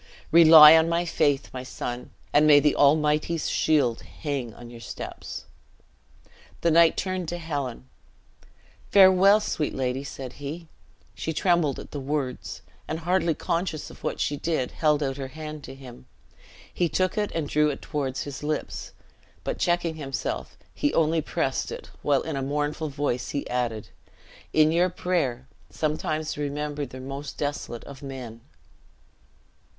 "Rely on my faith, my son; and may the Almighty's shield hang on your steps!" The knight turned to Helen. "Farewell, sweet lady!" said he. She trembled at the words, and, hardly conscious of what she did, held out her hand to him. He took it, and drew it toward his lips, but checking himself, he only pressed it, while in a mournful voice he added, "in your prayer, sometimes remember the most desolate of men!"